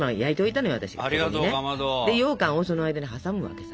ようかんをその間に挟むわけさ。